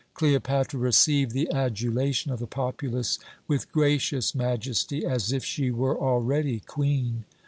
Cleopatra received the adulation of the populace with gracious majesty, as if she were already Queen.